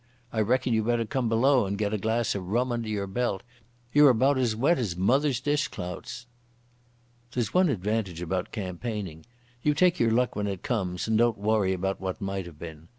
I reckon you'd better come below and get a glass of rum under your belt. You're about as wet as mother's dish clouts." There's one advantage about campaigning. You take your luck when it comes and don't worry about what might have been.